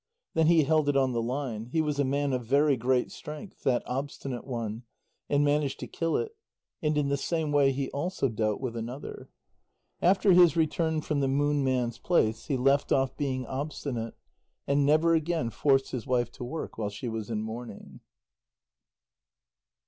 Then he held it on the line he was a man of very great strength, that Obstinate One and managed to kill it. And in the same way he also dealt with another. After his return from the Moon Man's place, he left off being obstinate, and never again forced his wife to work while she was in mourning.